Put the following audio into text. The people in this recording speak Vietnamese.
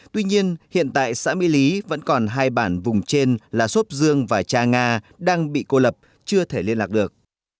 tuy nhiên hiện tại xã mỹ lý vẫn còn hai bản vùng trên là sốt dương và cha nga đang bị cô lập chưa thể liên lạc được